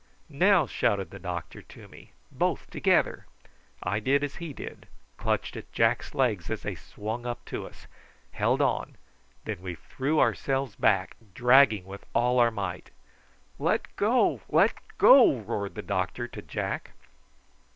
"Now!" shouted the doctor to me. "Both together." I did as he did, clutched at Jack's legs as they swung up to us; held on; and then we threw ourselves back, dragging with all our might. "Let go! let go!" roared the doctor to Jack.